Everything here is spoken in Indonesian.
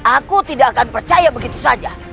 aku tidak akan percaya begitu saja